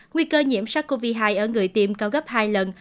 nguy cơ nhiễm sắc covid hai ở người tiêm cao gấp hai lần